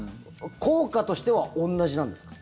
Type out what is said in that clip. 効果としては同じなんですか。